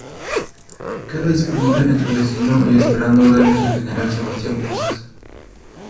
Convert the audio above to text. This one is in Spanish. Queda disponible en su destino y esperando órdenes del general Sebastián Pozas.